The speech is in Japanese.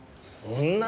女？